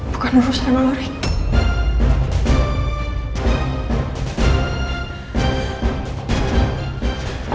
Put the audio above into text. bukan urusnya maureen